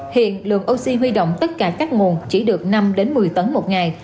hiện lượng oxy huy động tất cả các nguồn chỉ được năm một mươi tấn một ngày